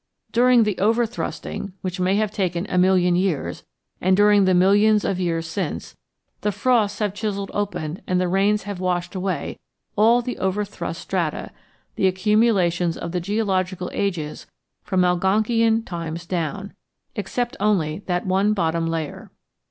During the overthrusting, which may have taken a million years, and during the millions of years since, the frosts have chiselled open and the rains have washed away all the overthrust strata, the accumulations of the geological ages from Algonkian times down, except only that one bottom layer.